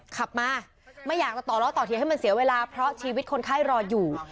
ขับมาไม่อยากจะต่อล้อต่อเถียงให้มันเสียเวลาเพราะชีวิตคนไข้รออยู่